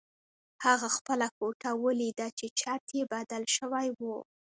هغه خپله کوټه ولیده چې چت یې بدل شوی و